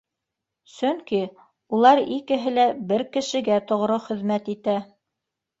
Сөнки улар икеһе лә бер кешегә тоғро хеҙмәт итә